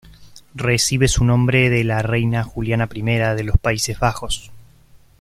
Recibe su nombre de la Reina Juliana I de los Países Bajos.